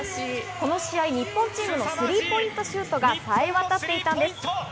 この試合、日本チームのスリーポイントシュートが冴え渡っていたんです。